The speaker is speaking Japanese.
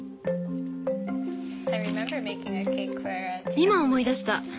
今思い出した。